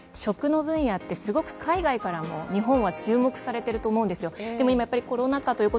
まさに食の分野ってすごく海外からも日本は注目されてると思うんですよ。